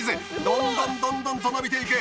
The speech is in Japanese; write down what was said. どんどんどんどんと伸びていく。